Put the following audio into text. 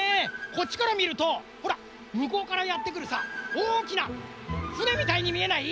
こっちからみるとほらむこうからやってくるさおおきなふねみたいにみえない？